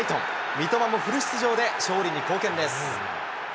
三笘もフル出場で勝利に貢献です。